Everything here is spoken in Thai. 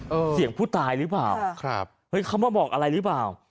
เสียงผู้ตายหรือเปล่าครับเฮ้ยเขามาบอกอะไรหรือเปล่า